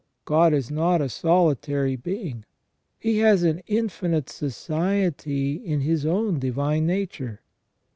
God is not a solitary Being. He has an infinite society in His own divine nature.